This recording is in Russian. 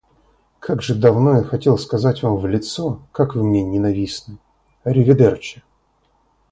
Как же давно я хотел сказать вам в лицо, как вы мне ненавистны. Аривидерчи!